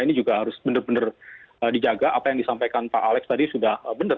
ini juga harus benar benar dijaga apa yang disampaikan pak alex tadi sudah benar